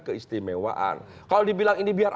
keistimewaan kalau dibilang ini biar